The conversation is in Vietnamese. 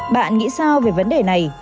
bạn nghĩ sao về vấn đề này